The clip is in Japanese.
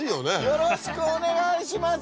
よろしくお願いします